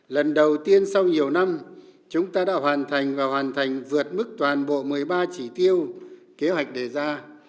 lần đầu tiên sau nhiều năm chúng ta đã hoàn thành và hoàn thành vượt mức toàn bộ một mươi ba chỉ tiêu kế hoạch đề ra